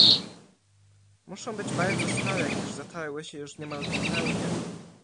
"Muszą być bardzo stare, gdyż zatarły się już niemal zupełnie."